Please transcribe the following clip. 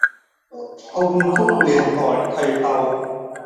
Ông Phúc liền hỏi thầy Tàu